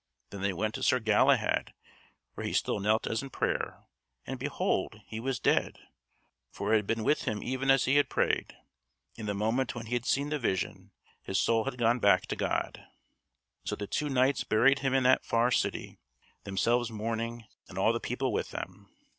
Then they went to Sir Galahad where he still knelt as in prayer, and behold, he was dead; for it had been with him even as he had prayed; in the moment when he had seen the vision, his soul had gone back to God. So the two knights buried him in that far city, themselves mourning and all the people with them.